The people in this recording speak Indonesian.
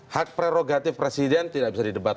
hak prerogatif presiden tidak bisa didebat